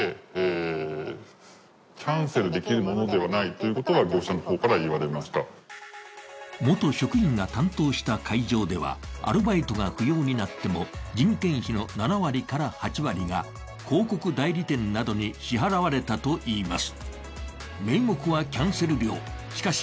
ところが元職員が担当した会場ではアルバイトが不要になっても人件費の７割から８割が広告代理店などに支払われたといいます。